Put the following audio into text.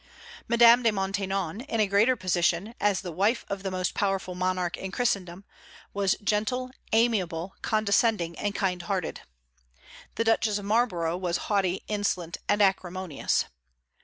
Madame de Maintenon, in a greater position, as the wife of the most powerful monarch in Christendom, was gentle, amiable, condescending, and kind hearted; the Duchess of Marlborough was haughty, insolent, and acrimonious.